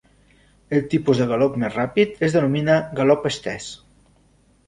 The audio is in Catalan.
Un tipus de galop més ràpid es denomina galop estès.